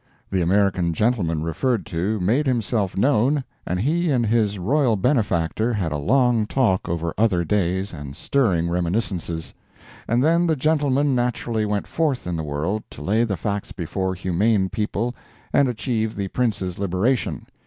The American gentleman referred to made himself known, and he and his royal benefactor had a long talk over other days and stirring reminiscences. And then the gentleman naturally went forth in the world to lay the facts before humane people and achieve the Prince's liberation.